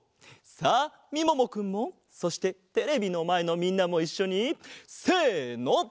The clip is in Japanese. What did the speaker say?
さあみももくんもそしてテレビのまえのみんなもいっしょにせの！